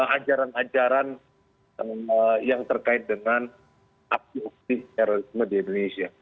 ajaran ajaran yang terkait dengan abduktif terorisme di indonesia